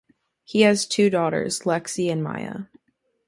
He has two daughters, Lexi and Maya.